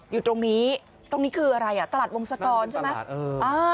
อยู่ตรงนี้ตรงนี้คืออะไรอ่ะตลาดวงสตรอนใช่ไหมตลาดเอออ่า